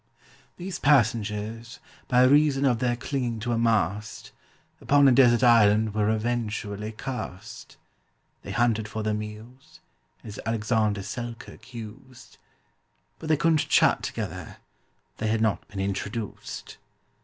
These passengers, by reason of their clinging to a mast, Upon a desert island were eventually cast. They hunted for their meals, as ALEXANDER SELKIRK used, But they couldn't chat together—they had not been introduced.